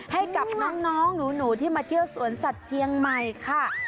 ให้กับน้องหนูที่มาเที่ยวสวนสัตว์เชียงใหม่ค่ะ